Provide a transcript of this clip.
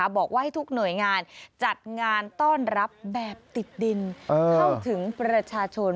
บอกว่าให้ทุกหน่วยงานจัดงานต้อนรับแบบติดดินเข้าถึงประชาชน